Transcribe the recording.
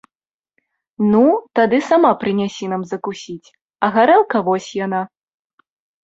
Ну, тады сама прынясі нам закусіць, а гарэлка вось яна.